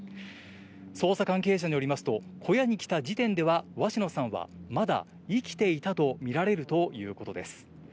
捜査関係者によりますと、小屋に来た時点では、鷲野さんはまだ生きていたと見られるということです。